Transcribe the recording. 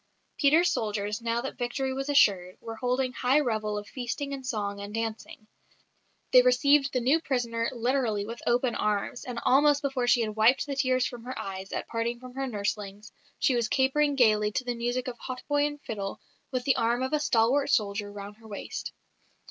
Peter's soldiers, now that victory was assured, were holding high revel of feasting and song and dancing. They received the new prisoner literally with open arms, and almost before she had wiped the tears from her eyes, at parting from her nurslings, she was capering gaily to the music of hautboy and fiddle, with the arm of a stalwart soldier round her waist.